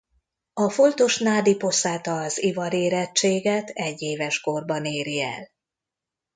A foltos nádiposzáta az ivarérettséget egyéves korban éri el.